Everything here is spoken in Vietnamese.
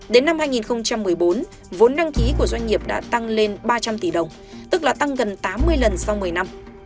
đến năm hai nghìn một mươi bốn vốn đăng ký của doanh nghiệp đã tăng lên ba trăm linh tỷ đồng tức là tăng gần tám mươi lần sau một mươi năm